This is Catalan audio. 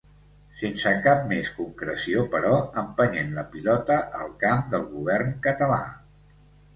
Sense cap més concreció, però empenyent la pilota al camp del govern català.